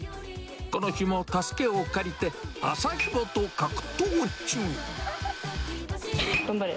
この日も助けを借りて、頑張れ。